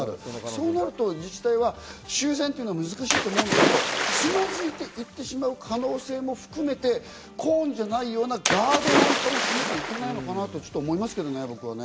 そうなると自治体は、修繕は難しいと思うんだけど、つまずいて行ってしまう可能性も含めて、コーンじゃないようなガードなんかもしなきゃいけないのかなと思いますけどね、僕はね。